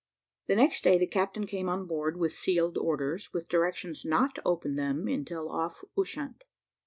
The next day the captain came on board with sealed orders, with directions not to open them until off Ushant.